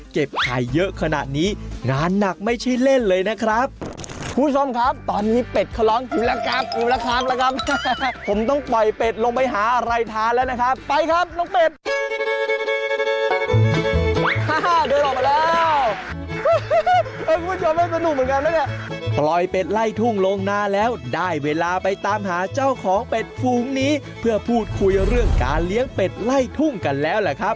เยอะขนาดนี้งานหนักไม่ใช่เล่นเลยนะครับคุณผู้ชมครับตอนนี้เป็ดเขาร้องกูแล้วครับกูละครั้งแล้วครับผมต้องปล่อยเป็ดลงไปหาอะไรทานแล้วนะครับไปครับน้องเป็ดห้าเดือนออกมาแล้วสนุกเหมือนกันแล้วเนี่ยปล่อยเป็ดไล่ทุ่งลงนาแล้วได้เวลาไปตามหาเจ้าของเป็ดฝูงนี้เพื่อพูดคุยเรื่องการเลี้ยงเป็ดไล่ทุ่งกันแล้วแหละครับ